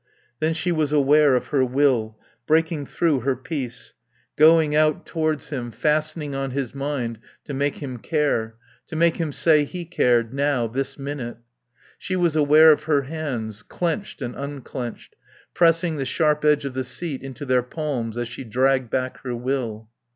Then she was aware of her will, breaking through her peace, going out towards him, fastening on his mind to make him care; to make him say he cared, now, this minute. She was aware of her hands, clenched and unclenched, pressing the sharp edge of the seat into their palms as she dragged back her will.